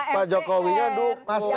pak jokowi ya dukuh